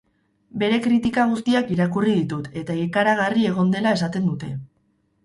Bere kritika guztiak irakurri ditut eta ikaragarri egon dela esaten dute.